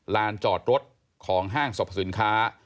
ลานจอดรถของห้างสรรพสินค้า